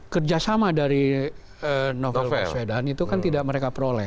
kerjasama dari novel baswedan itu kan tidak mereka peroleh